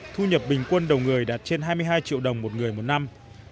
thu nhập bình quân đầu người đạt trên hai mươi hai triệu đồng một người một năm